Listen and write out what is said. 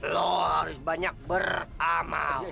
lo harus banyak beramal